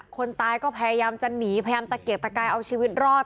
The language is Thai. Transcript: คนตายก็พยายามจะหนีพยายามตะเกียกตะกายเอาชีวิตรอด